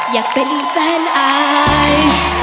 อยากเป็นแฟนอาย